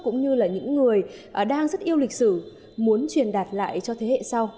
cũng như là những người đang rất yêu lịch sử muốn truyền đạt lại cho thế hệ sau